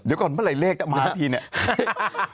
เดี๋ยวก่อนเมื่อไหเลขจะมาสักทีเนี่ย